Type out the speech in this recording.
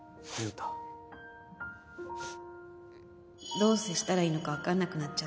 どう接したらいいのかわかんなくなっちゃって。